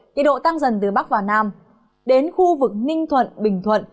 nhiệt độ tăng dần từ bắc vào nam đến khu vực ninh thuận bình thuận